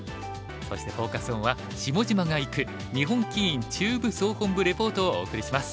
そしてフォーカス・オンは「下島が行く！日本棋院中部総本部レポート」をお送りします。